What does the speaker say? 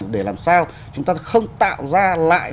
để làm sao chúng ta không tạo ra lại